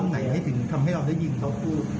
ทำไหนยังไงถึงที่ทำให้เราได้ยินเขาพูด